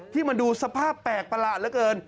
ที่มันดูสภาพแปลกประหลาดเหลือเกิน